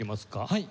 はい。